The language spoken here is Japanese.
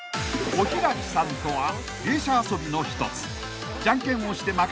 ［おひらきさんとは芸者遊びの１つ］